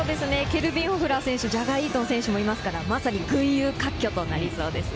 ケルビン・ホフラー選手、ジャガー・イートン選手もいますから、まさに群雄割拠となりそうです。